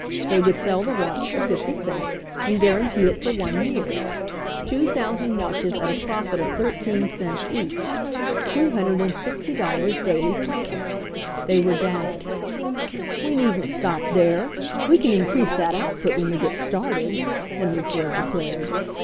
They would sell the watch for fifty cents, and guarantee it for one year. Two thousand watches at a profit of thir teen cents each — $260 daily profit! They were dazzled. "We needn't stop there — we can increase that output when we get started," Henry Ford de clared.